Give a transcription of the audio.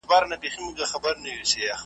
لیونی کېږمه که مرم چا پسې